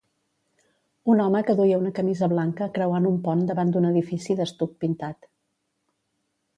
Un home que duia una camisa blanca creuant un pont davant d'un edifici d'estuc pintat.